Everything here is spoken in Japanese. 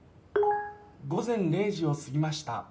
午前０時を過ぎました。